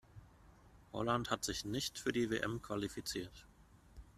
Holland hat sich nicht für die WM qualifiziert.